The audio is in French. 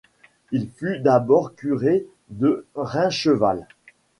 Il fut d'abord curé de Raincheval.